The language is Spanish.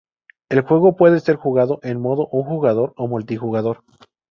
El juego puede ser jugado en modo un jugador o multijugador.